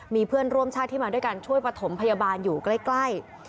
มีเพื่อนร่วมชาติที่มาด้วยกันช่วยประถมพยาบาลอยู่ใกล้